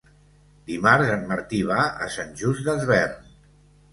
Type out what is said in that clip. Dimarts en Martí va a Sant Just Desvern.